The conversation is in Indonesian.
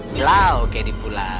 selaw kayak di pulau